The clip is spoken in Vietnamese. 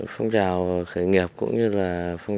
phong trào khởi nghiệp cũng như là phong